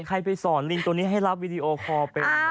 ใครไปสอนลิงตัวนี้ให้รับวีดีโอคอลเป็น